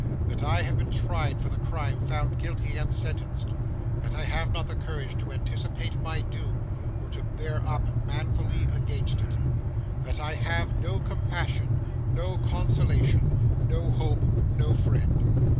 That I have been tried for the crime, found guilty, and sentenced. That I have not the courage to anticipate my doom, or to bear up manfully against it. That I have no compassion, no consolation, no hope, no friend.